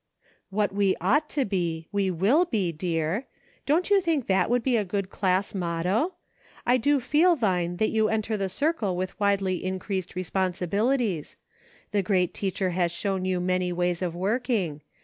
" What we ought to be, we will be, dear. Don't you think that would be a good class motto. ' I do feel. Vine, that you enter the circle with widely increased responsibilities. The Great Teacher has shown you many ways of working.